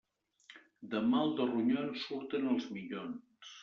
De mal de ronyons surten els minyons.